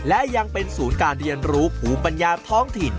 และยังเป็นศูนย์การเรียนรู้ภูมิปัญญาท้องถิ่น